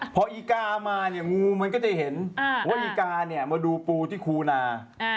พออีกามาเนี่ยงูมันก็จะเห็นว่าอีกาเนี่ยมาดูปูที่คูนา